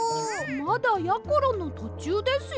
まだやころのとちゅうですよ。